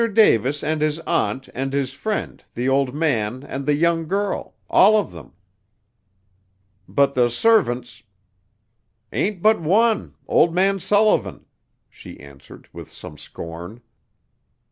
Davis and his aunt and his friend, the old man, and the young girl all of them." "But the servants " "Ain't but one old man Sullivan," she answered with some scorn.